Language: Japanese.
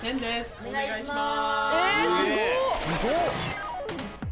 お願いします。